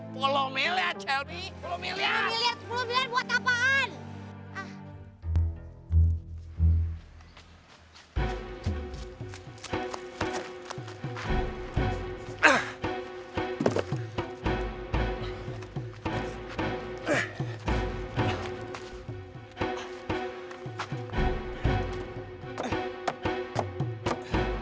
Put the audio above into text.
pulau miliar shelby pulau miliar